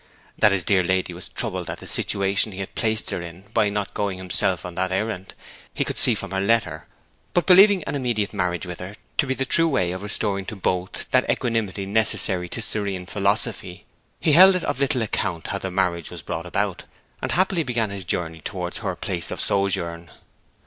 That his dear lady was troubled at the situation he had placed her in by not going himself on that errand, he could see from her letter; but, believing an immediate marriage with her to be the true way of restoring to both that equanimity necessary to serene philosophy, he held it of little account how the marriage was brought about, and happily began his journey towards her place of sojourn.